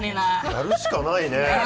やるしかないね。